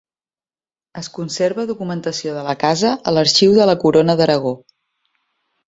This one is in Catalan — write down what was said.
Es conserva documentació de la casa a l'arxiu de la corona d'Aragó.